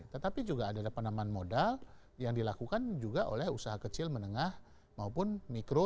tetapi juga ada penambahan modal yang dilakukan juga oleh usaha kecil menengah maupun mikro